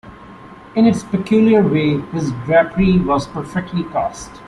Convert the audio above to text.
In its peculiar way his drapery was perfectly cast.